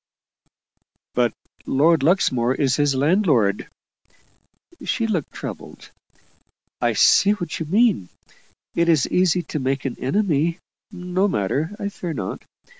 "But Lord Luxmore is his landlord." She looked troubled. "I see what you mean. It is easy to make an enemy. No matter I fear not.